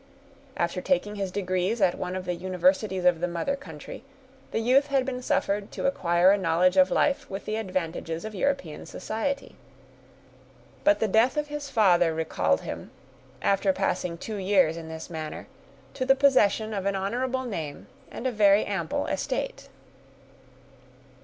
After taking his degrees at one of the universities of the mother country, the youth had been suffered to acquire a knowledge of life with the advantages of European society. But the death of his father recalled him, after passing two years in this manner, to the possession of an honorable name, and a very ample estate.